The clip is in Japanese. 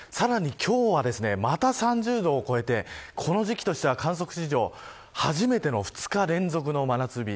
さらに今日はまた３０度を超えてこの時期としては観測史上初めての２日連続の真夏日。